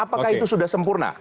apakah itu sudah sempurna